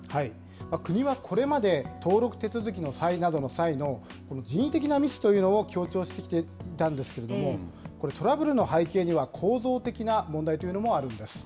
国はこれまで登録手続きなどの際の人為的なミスというのを強調してきていたんですけれども、これ、トラブルの背景には構造的な問題というのもあるんです。